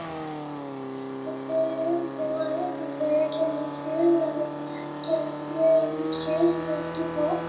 The feline figure can be hugged and can appear in pictures with people.